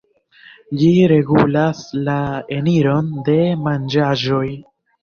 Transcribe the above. Ĝi regulas la eniron de manĝaĵoj.